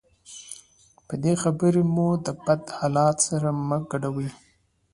بدې خبرې مو د بد حالت سره مه ګډوئ.